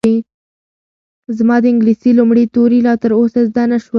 زما د انګلیسي لومړي توري لا تر اوسه زده نه شول.